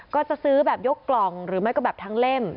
ก็จะซื้อแบบยกกล่องหรือไม่ก็แบบทั้งเล่ม